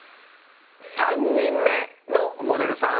３人目のモデルさん